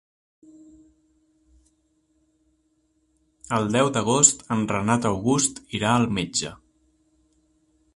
El deu d'agost en Renat August irà al metge.